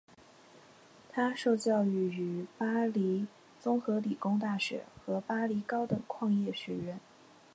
他受教育于巴黎综合理工大学和巴黎高等矿业学院。